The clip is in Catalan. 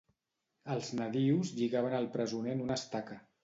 Els nadius lligaven al presoner en una estaca.